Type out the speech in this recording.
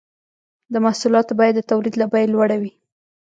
د محصولاتو بیه د تولید له بیې لوړه وي